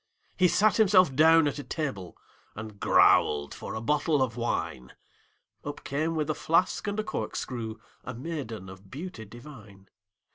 He sat himself down at a table, And growled for a bottle of wine; Up came with a flask and a corkscrew A maiden of beauty divine.